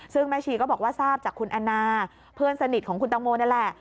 ซึ่งแม่ชีก็บอกว่าทราบจากคุณแอนนาเพื่อนสนิทของคุณตังโมนี่แหละ